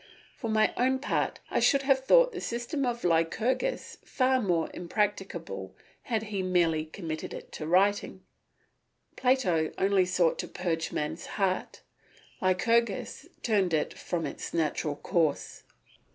For my own part I should have thought the system of Lycurgus far more impracticable had he merely committed it to writing. Plato only sought to purge man's heart; Lycurgus turned it from its natural course.